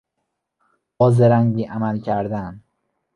با زرنگی عمل کردن